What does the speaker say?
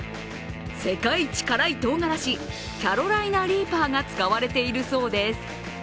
世界一からいとうがらし、キャロライナリーパーが使われているそうです。